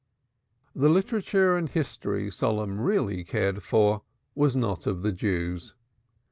The literature and history Solomon really cared for was not of the Jews.